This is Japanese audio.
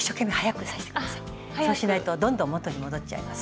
そうしないとどんどん元に戻っちゃいます。